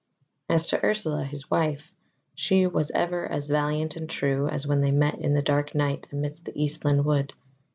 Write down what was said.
As to Ursula his wife, she was ever as valiant and true as when they met in the dark night amidst of the Eastland wood.